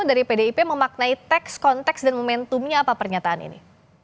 dari pdip memaknai teks konteks dan momentumnya apa pernyataan ini